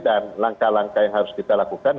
dan langkah langkah yang harus kita lakukan